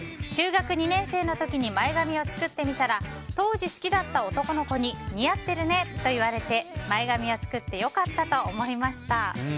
中学２年生の時に前髪を作ってみたら当時好きだった男の子に似合ってるねと言われて前髪を作って良かったと思いました。